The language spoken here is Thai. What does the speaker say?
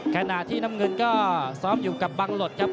ขณะที่น้ำเงินก็ซ้อมอยู่กับบังหลดครับ